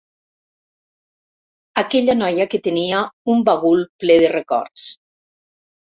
Aquella noia que tenia un bagul ple de records.